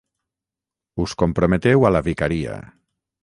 Us comprometeu a la vicaria.